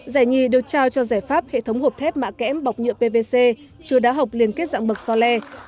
giải nhì được trao cho giải pháp hệ thống hộp thép mạ kẽm bọc nhựa pvc chứa đá hộp liên kết dạng bậc so le